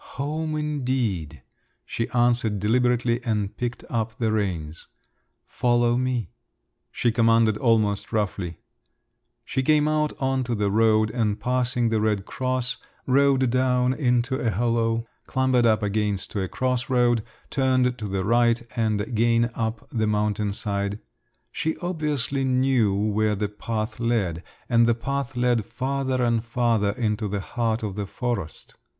"Home indeed!" she answered deliberately and picked up the reins. "Follow me," she commanded almost roughly. She came out on to the road and passing the red cross, rode down into a hollow, clambered up again to a cross road, turned to the right and again up the mountainside…. She obviously knew where the path led, and the path led farther and farther into the heart of the forest.